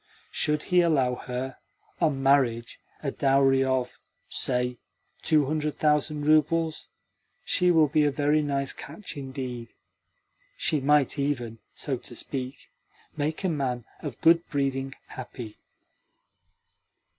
Should he allow her, on marriage, a dowry of, say, two hundred thousand roubles, she will be a very nice catch indeed. She might even, so to speak, make a man of good breeding happy."